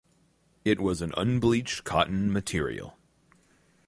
It was an unbleached cotton material.